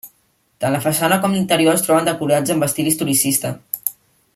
Tant la façana com l'interior es troben decorats amb estil historicista.